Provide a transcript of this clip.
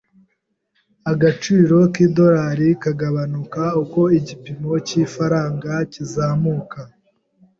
Agaciro k'idolari kagabanuka uko igipimo cy'ifaranga kizamuka.